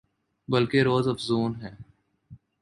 بلکہ روزافزوں ہے